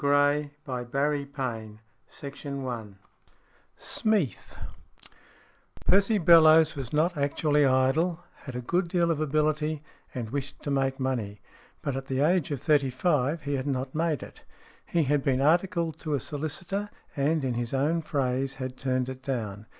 . 295 Stories in Grey SMEATH I PERCY BELLOWES was not actually idle, had a good deal of ability, and wished to make money. But at the age of thirty five he had not made it. He had been articled to a solicitor, and, in his own phrase, had turned it down.